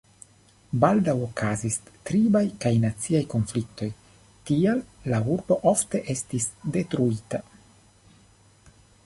Baldaŭ okazis tribaj kaj naciaj konfliktoj, tial la urbo ofte estis detruita.